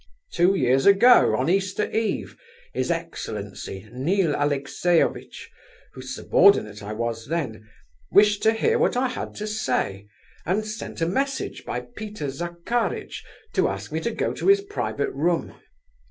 Two years ago, on Easter Eve, His Excellency Nil Alexeyovitch, whose subordinate I was then, wished to hear what I had to say, and sent a message by Peter Zakkaritch to ask me to go to his private room.